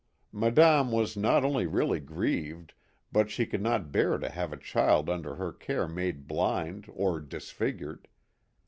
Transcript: Madame was not only really grieved but she could not bear to have a child under her care made blind, or disfigured.